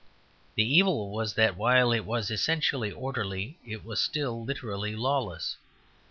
The evil was that while it was essentially orderly, it was still literally lawless.